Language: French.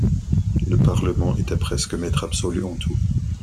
Le parlement était presque maître absolu en tout.